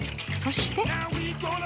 そして。